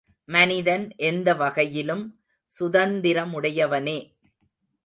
மனிதன் எந்த வகையிலும் சுதந்திரமுடையவனே.